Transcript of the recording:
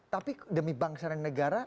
tapi demi bangsa dan negara